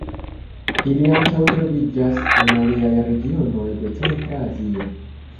Ili ankaŭ troviĝas en aliaj regionoj de Centra Azio.